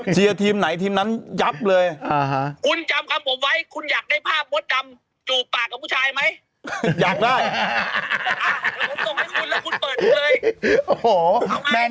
เลยทีมไหนทีมนั้นจับเลยอ่าฮะคุณจำคำผมไว้คุณอยากได้ภาพมดจำจูบปากกับ